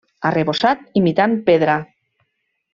Arrebossat imitant pedra.